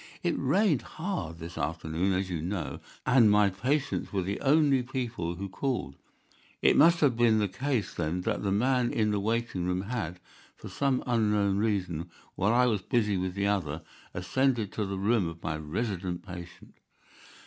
It rained hard this afternoon, as you know, and my patients were the only people who called. It must have been the case, then, that the man in the waiting room had, for some unknown reason, while I was busy with the other, ascended to the room of my resident patient.